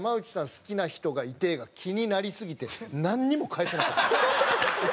好きな人がいて」が気になりすぎてなんにも返せなかった。